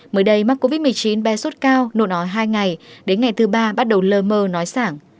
mới đây mắc covid một mươi chín be sốt cao nổ nói hai ngày đến ngày thứ ba bắt đầu lơ mơ nói sảng